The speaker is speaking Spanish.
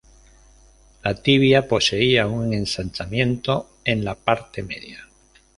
La tibia poseía un ensanchamiento en la parte media.